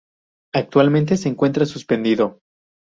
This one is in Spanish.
Actualmente se encuentra suspendido.